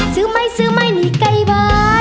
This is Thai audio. ซื้อไม้ซื้อไม้นี่ไก่เบาะ